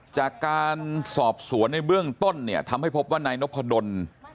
จากการสอบสวนในเบื้องต้นเนี่ยทำให้พบว่านายนพดล